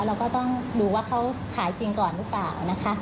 เมื่อไหร่โฆษณาว่าเป็นรักษาโรคถือว่าใช้อาหาร